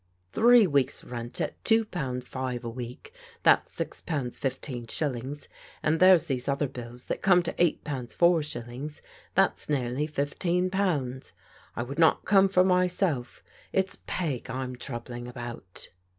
" Three weeks' rent at two pounds five a week — ^that's six pounds fifteen shillings, and there's these other bills that come to eight pounds four shillings, that's nearly fifteen pounds. I would not come for myself; it's Peg I'm troubling about."